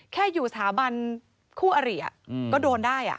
แค่อยู่สถาบันคู่อริก็โดนได้